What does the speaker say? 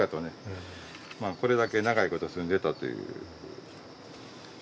これだけ長いこと住んでたという。